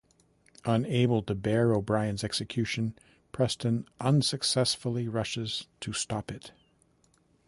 Unable to bear O'Brien's execution, Preston unsuccessfully rushes to stop it.